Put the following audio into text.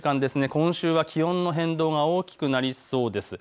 今週は気温の変動が大きくなりそうです。